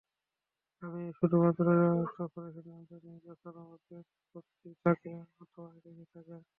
আমি শুধুমাত্র তখনই সিদ্ধান্ত নেই যখন আমার পেট ভর্তি থাকে অথবা একাকী থাকি।